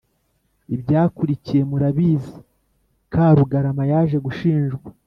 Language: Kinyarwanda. Ibyakurikiye murabizi, Karugarama yaje gushinjwa